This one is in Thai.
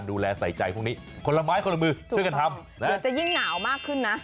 เดี๋ยวจะยิ่งหนาวมากขึ้นนะ